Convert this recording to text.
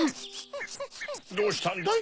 どうしたんだい？